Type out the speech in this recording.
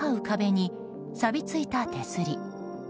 壁にさびついた手すり。